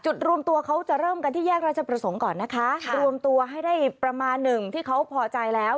รวมตัวเขาจะเริ่มกันที่แยกราชประสงค์ก่อนนะคะรวมตัวให้ได้ประมาณหนึ่งที่เขาพอใจแล้ว